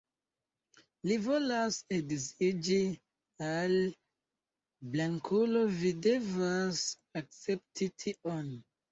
Vi volas edziĝi al blankulo, vi devas akcepti tion.